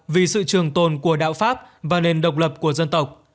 vì sự trường tồn của đạo pháp và nền độc lập của dân tộc